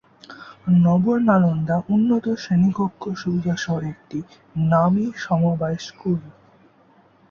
নব নালন্দা উন্নত শ্রেণিকক্ষ সুবিধা সহ একটি নামী সমবায় স্কুল।